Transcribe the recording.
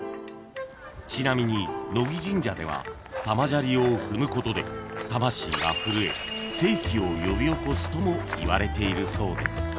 ［ちなみに乃木神社では玉砂利を踏むことで魂が震え生気を呼び起こすともいわれているそうです］